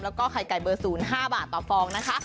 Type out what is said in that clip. แล้วก็ไข่ไก่เบอร์๐๕บาทต่อฟองนะคะ